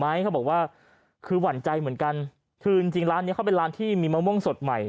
เขาบอกว่าคือหวั่นใจเหมือนกันคือจริงจริงร้านเนี้ยเขาเป็นร้านที่มีมะม่วงสดใหม่